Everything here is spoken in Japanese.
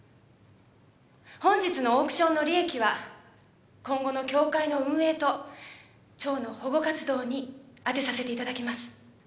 本日のオークションの利益は今後の協会の運営と蝶の保護活動に充てさせて頂きます。